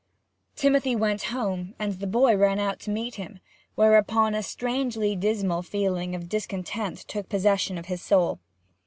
Timothy went home, and the boy ran out to meet him; whereupon a strangely dismal feeling of discontent took possession of his soul.